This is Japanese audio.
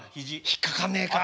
引っ掛かんねえか。